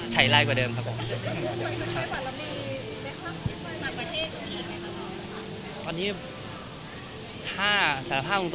ฉายลายกว่าเดิมครับผม